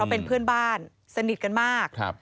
เป็นเพื่อนบ้านสนิทกันมาก